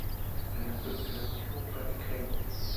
El actual titular es Hubertus Heil.